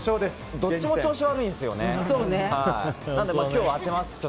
どっちも調子悪いんですよね。